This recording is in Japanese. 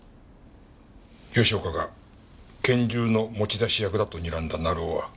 吉岡が拳銃の持ち出し役だと睨んだ成尾は。